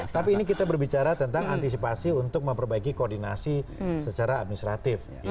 tapi ini kita berbicara tentang antisipasi untuk memperbaiki koordinasi secara administratif